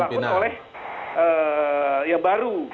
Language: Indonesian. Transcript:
salah dilakukan oleh yang baru